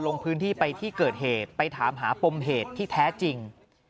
ลงพื้นที่ไปที่เกิดเหตุไปถามหาปมเหตุที่แท้จริง